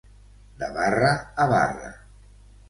De barra a barra.